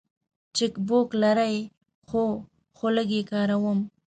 چک بوک لرئ؟ هو، خو لږ یی کاروم